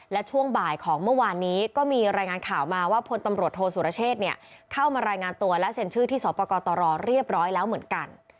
และช่วงบ่ายของเมื่อวานนี้ก็มีรายงานข่าวมาว่าพลตำรวจโทษสุรเชษเข้ามารายงานตัวและเซ็นชื่อที่สปกตรเรียบร้อยแล้วเหมือนกัน